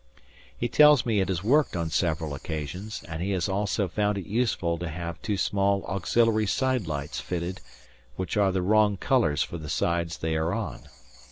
He tells me it has worked on several occasions, and he has also found it useful to have two small auxiliary side lights fitted which are the wrong colours for the sides they are on.